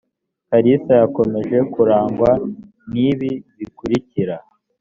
kalisa yakomeje kurangwa n ibi bikurikira